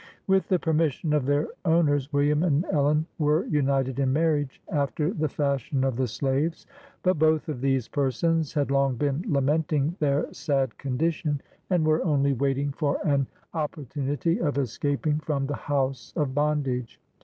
With the permission of their own ers, William and Ellen were united in marriage, after the fashion of the slaves. But both of these persons had long been lamenting their sad condition, and Were only waiting for an opportunity of escaping from the house of bondage.